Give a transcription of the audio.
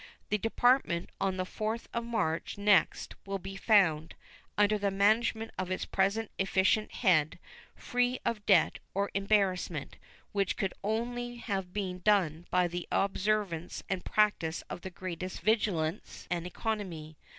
The Department on the 4th of March next will be found, under the management of its present efficient head, free of debt or embarrassment, which could only have been done by the observance and practice of the greatest vigilance and economy.